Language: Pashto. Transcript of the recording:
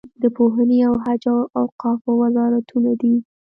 د پوهنې او حج او اوقافو وزارتونه دي.